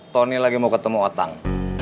tony lagi mau ketemu otang